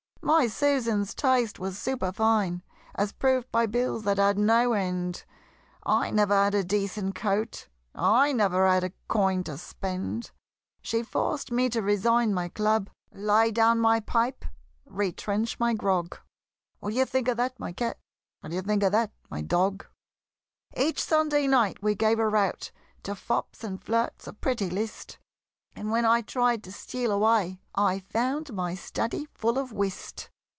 My Susan's taste was superfine, As proved by bills that had no end I never had a decent coat I never had a coin to spend! She forced me to resign my Club, Lay down my pipe, retrench my grog What d'ye think of that, my Cat? What d'ye think of that, my Dog? Each Sunday night we gave a rout To fops and flirts, a pretty list; And when I tried to steal away, I found my study full of whist!